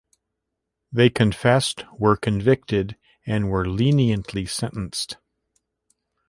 They confessed, were convicted, and were leniently sentenced.